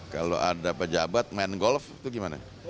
kalau ada pejabat main golf itu gimana